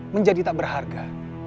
menjadi tak berharga